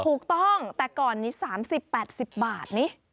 ถูกต้องแต่ก่อนนี้๓๐๘๐บาทนี่